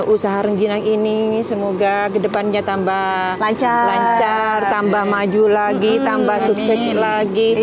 usaha rengginang ini semoga kedepannya tambah lancar tambah maju lagi tambah suksesi lagi